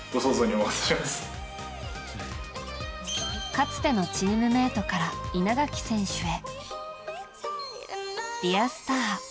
かつてのチームメートから稲垣選手へ。